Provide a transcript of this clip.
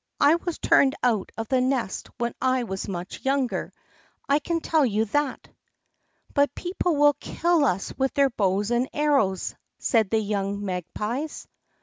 I was turned out of the nest when I was much younger, I can tell you that!" "But people will kill us with their bows and arrows," said the young magpies.